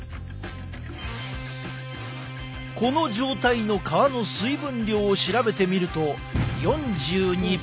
この状態の皮の水分量を調べてみると４２％。